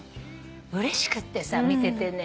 うれしくってさ見ててね。